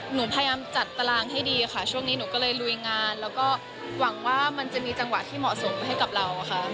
หนูพยายามจัดตารางให้ดีค่ะช่วงนี้หนูก็เลยลุยงานแล้วก็หวังว่ามันจะมีจังหวะที่เหมาะสมให้กับเราค่ะ